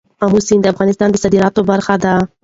آمو سیند د افغانستان د صادراتو برخه ده.